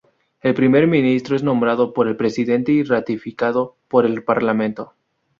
El Primer Ministro es nombrado por el Presidente y ratificado por el Parlamento.